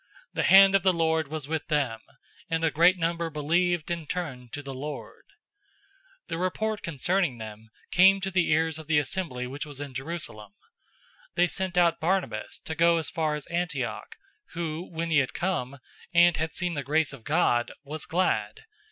011:021 The hand of the Lord was with them, and a great number believed and turned to the Lord. 011:022 The report concerning them came to the ears of the assembly which was in Jerusalem. They sent out Barnabas to go as far as Antioch, 011:023 who, when he had come, and had seen the grace of God, was glad.